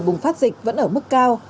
nhiều đồng phát dịch vẫn ở mức cao